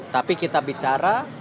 tapi kita bicara